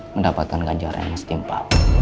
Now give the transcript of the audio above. mendapatkan ganjaran yang mestimpa